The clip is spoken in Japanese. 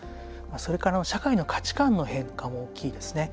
それから社会の価値観の変化が大きいですね。